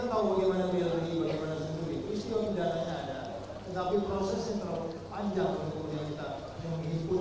buat kpk itu menjadi catatan